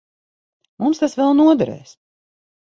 Mums tas vēl noderēs.